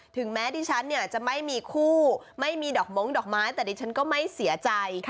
แม้ดิฉันเนี่ยจะไม่มีคู่ไม่มีดอกม้งดอกไม้แต่ดิฉันก็ไม่เสียใจ